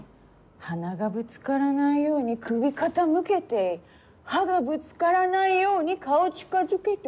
鼻がぶつからないように首傾けて歯がぶつからないように顔近づけて。